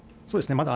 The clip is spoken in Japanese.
そうですね。